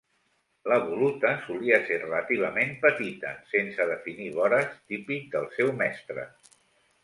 La voluta solia ser relativament petita, sense definir vores, típic del seu mestre.